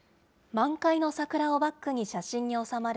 満開の桜をバックに写真に収まる